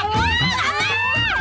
aku tuh ketemu bia